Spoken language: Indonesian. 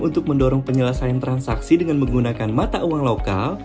untuk mendorong penyelesaian transaksi dengan menggunakan mata uang lokal